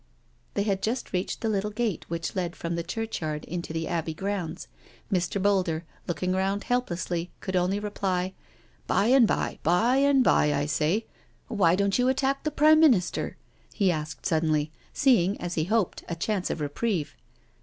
They had just reached the little gate which led from the churchyard into the Abbey grounds. Mr. Boulder, looking round helplessly, could only reply :" Bye and bye, bye and bye, I say. Why don't you attack the Prime Minister?" he asked suddenly, seeing, as he hoped, a chance of reprieve.